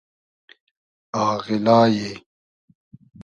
آغیلای